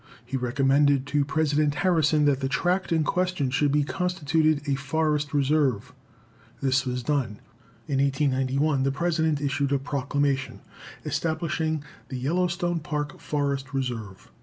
He recommended to President Harrison that the tract in question should be constituted a forest reserve. This was done. In 1891 the President issued a proclamation, establishing the Yellowstone Park Forest Reserve.